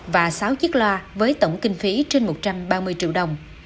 và sáu chiếc loa với tổng kinh phí trên một trăm ba mươi triệu đồng